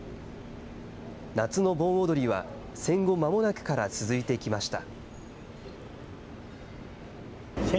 夏の盆踊りは、戦後間もなくから続いてきました。